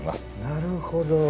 なるほど。